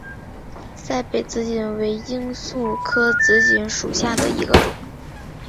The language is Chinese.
赛北紫堇为罂粟科紫堇属下的一个种。